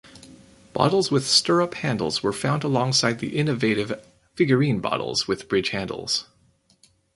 Bottles with stirrup handles were found alongside the innovative figurine bottles with bridge handles.